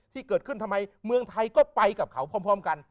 ที่เกิดขึ้นทำไมเมืองไทยก็ไปกับเขาพร้อมกัน